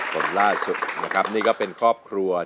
คนล่าสุดนะครับนี่ก็เป็นครอบครัว